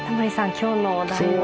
今日のお題は。